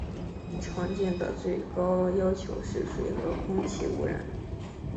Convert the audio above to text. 常见的最高要求是水和空气污染。